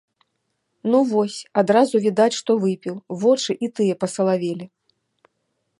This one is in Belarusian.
Ну, вось, адразу відаць, што выпіў, вочы і тыя пасалавелі.